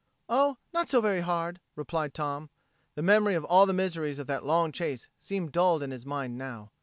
"Oh, not so very hard," replied Tom. The memory of all the miseries of that long chase seemed dulled in his mind now.